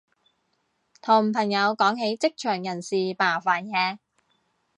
同朋友講起職場人事麻煩嘢